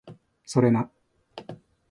それな